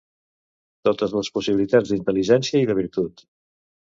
totes les possibilitats d'inteligència i de virtut